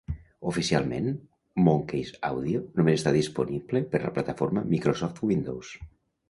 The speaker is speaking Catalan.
Oficialment, Monkey's Audio només està disponible per a la plataforma Microsoft Windows.